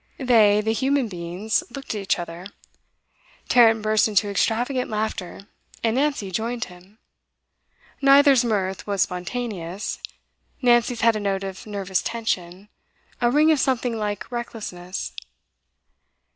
They the human beings looked at each other; Tarrant burst into extravagant laughter, and Nancy joined him. Neither's mirth was spontaneous; Nancy's had a note of nervous tension, a ring of something like recklessness.